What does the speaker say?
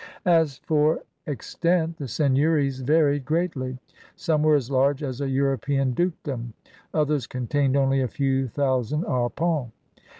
As for extent, the seigneuries varied greatly. Some were as large as a European dukedom; others contained only a few thousand arpents.